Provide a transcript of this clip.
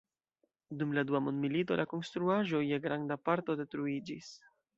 Dum la Dua Mondmilito la konstruaĵo je granda parto detruiĝis.